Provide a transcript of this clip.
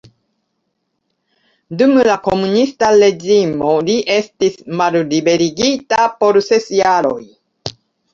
Dum la komunista reĝimo li estis malliberigita por ses jaroj.